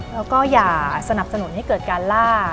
แล้วก็อย่าสนับสนุนให้เกิดการล่า